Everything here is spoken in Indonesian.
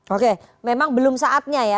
oke memang belum saatnya ya